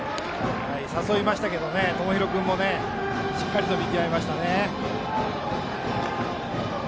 誘いましたけど友廣君もしっかり見極めました。